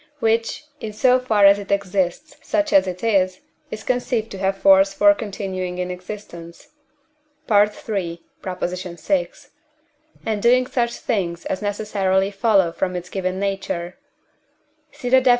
which, in so far as it exists such as it is, is conceived to have force for continuing in existence (III. vi.) and doing such things as necessarily follow from its given nature (see the Def.